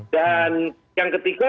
dan yang ketiga